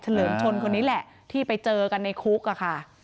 เลิมชนคนนี้แหละที่ไปเจอกันในคุกอะค่ะ